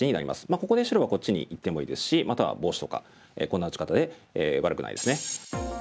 ここで白はこっちにいってもいいですしまたはボウシとかこんな打ち方で悪くないですね。